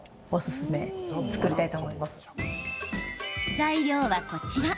材料は、こちら。